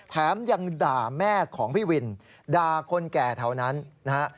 แถมยังด่าแม่ของพี่วินด่าคนแก่แถวนั้นนะฮะ